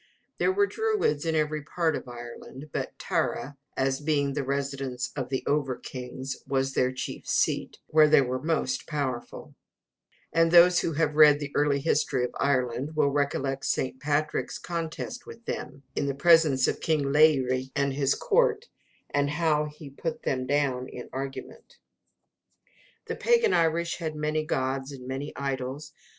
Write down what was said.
There were druids in every part of Ireland; but Tara, as being the residence of the over kings, was their chief seat, where they were most powerful; and those who have read the early history of Ireland will recollect St. Patrick's contest with them, in presence of king Laeghaire [Laery] and his court, and how he put them down in argument. The pagan Irish had many gods and many idols.